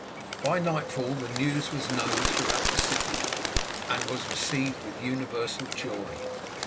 By nightfall the news was known throughout the city, and was received with universal joy.